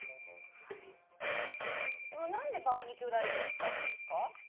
でも何でバーミキュライトを使うんですか？